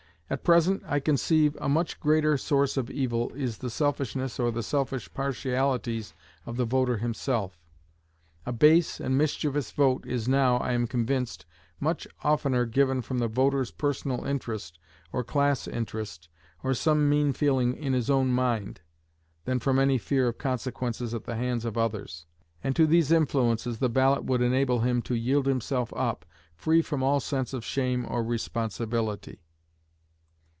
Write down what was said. At present, I conceive, a much greater source of evil is the selfishness, or the selfish partialities of the voter himself. A base and mischievous vote is now, I am convinced, much oftener given from the voter's personal interest, or class interest, or some mean feeling in his own mind, than from any fear of consequences at the hands of others; and to these influences the ballot would enable him to yield himself up, free from all sense of shame or responsibility.